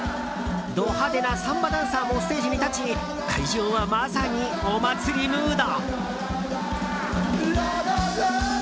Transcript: ド派手なサンバダンサーもステージに立ち会場はまさに、お祭りムード。